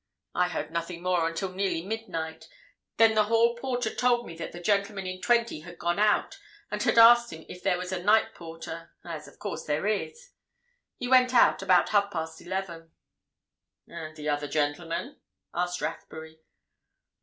I heard nothing more until nearly midnight; then the hall porter told me that the gentleman in 20 had gone out, and had asked him if there was a night porter—as, of course, there is. He went out at half past eleven." "And the other gentleman?" asked Rathbury.